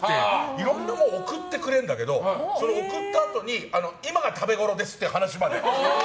いろんなもの送ってくれるんだけどその送ったあとに今が食べごろですって話まで。